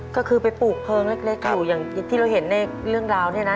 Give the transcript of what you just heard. ก็คือไปปลูกเพลิงเล็กอยู่อย่างที่เราเห็นในเรื่องราวเนี่ยนะ